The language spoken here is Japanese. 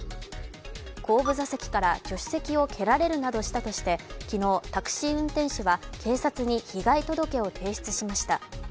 後部座席から助手席を蹴られるなどしたとして昨日、タクシー運転手が警察に被害届を提出しました。